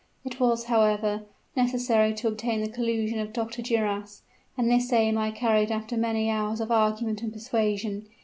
It was, however, necessary to obtain the collusion of Dr. Duras; and this aim I carried after many hours of argument and persuasion.